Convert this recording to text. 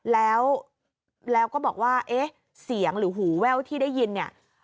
แล้วก็บอกว่าเอ๊ะเสียงหรือหูแว่วที่ได้ยินเนี่ย